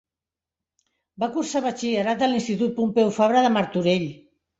Va cursar Batxillerat a l'Institut Pompeu Fabra de Martorell.